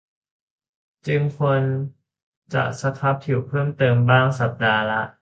จึงควรจะสครับผิวเพิ่มเติมบ้างสัปดาห์ละ